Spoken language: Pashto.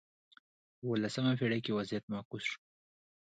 په اولسمه پېړۍ کې وضعیت معکوس شو.